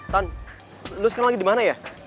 tan lu sekarang lagi di mana ya